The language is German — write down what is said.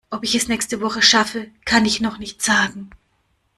Ob ich es nächste Woche schaffe, kann ich noch nicht sagen.